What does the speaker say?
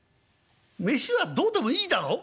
飯はどうでもいいだろ？」。